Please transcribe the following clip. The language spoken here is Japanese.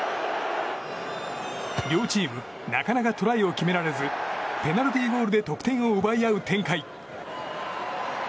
両チームなかなかトライを決められずペナルティーゴールで得点を奪い合う展開。